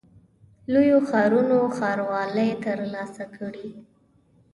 لویو ښارونو ښاروالۍ ترلاسه کړې.